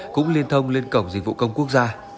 cũng liên thông lên cổng dịch vụ công quốc gia